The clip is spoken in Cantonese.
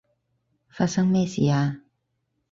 發生咩事啊？